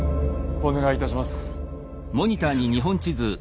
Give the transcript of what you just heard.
お願いいたします。